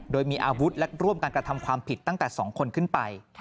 โดยมีอาวุธและร่วมการกระทำความผิดตั้งแต่๒คนขึ้นไป